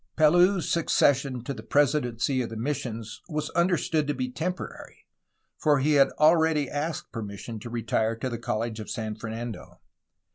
Palou's succession to the presidency of the missions was understood to be temporary, for he had already asked per mission to retire to the College of San Fernando.